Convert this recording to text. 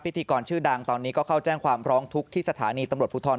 พิธีกรชื่อดังตอนนี้ก็เข้าแจ้งความร้องทุกข์ที่สถานีตำรวจภูทร